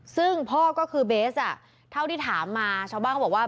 ซึ่งพ่อก็คือเบสเท่าที่ถามมาชาวบ้านเขาบอกว่า